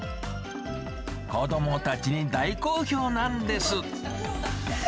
子どもたちに大好評なんです。